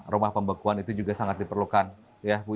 rumah pembekuan itu juga sangat diperlukan ya bu